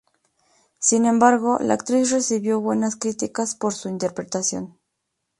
Sin embargo, la actriz recibió buenas críticas por su interpretación.